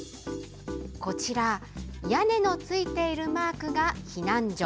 こちら屋根のついているマークが避難所。